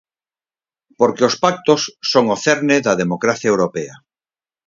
Porque os pactos son o cerne da democracia europea.